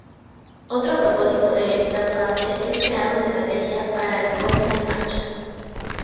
Otro propósito de esta fase es crear una estrategia para la Puesta en Marcha.